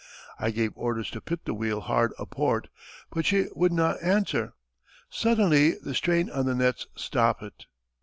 I gave orders to pit the wheel hard a port, but she wouldna answer. Suddenly the strain on the nets stoppit.